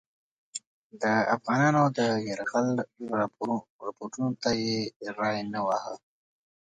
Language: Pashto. د افغانانو د یرغل رپوټونو ته یې ری نه واهه.